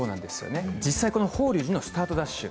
実際、法隆寺のスタートダッシュ